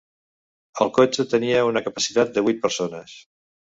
El cotxe tenia una capacitat de vuit persones.